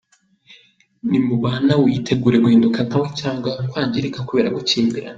Nimubana witegure guhinduka nka we cyangwa kwangirika kubera gukimbirana.